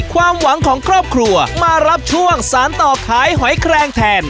ความหวังของครอบครัวมารับช่วงสารต่อขายหอยแครงแทน